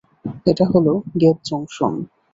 এটা হলো gap junction.